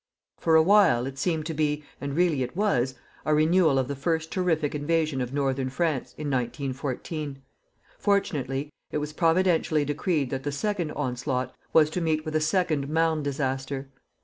For a while, it seemed to be and really it was a renewal of the first terrific invasion of northern France, in 1914. Fortunately, it was Providentially decreed that the second onslaught was to meet with a second Marne disaster.